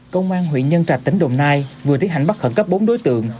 công an huyện nhân trạch tỉnh đồng nai vừa tiến hành bắt khẩn cấp bốn đối tượng